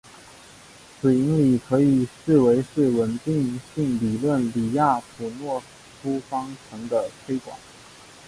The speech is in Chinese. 此引理可以视为是稳定性理论李亚普诺夫方程的推广。